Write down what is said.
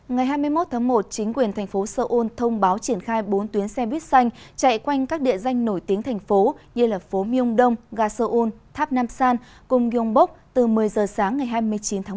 ngày hai mươi một tháng một chính quyền thành phố seoul thông báo triển khai bốn tuyến xe buýt xanh chạy quanh các địa danh nổi tiếng thành phố như là phố myongdong gaseon tháp nam san gyeongbok từ một mươi h sáng ngày hai mươi chín tháng một